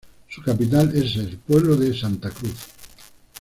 Su capital es el pueblo de Santa Cruz.